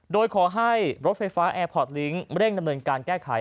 โดยขอให้รถไฟฟ้าแอร์พอร์ตลิงค์เร่งดำเนินการแก้ไข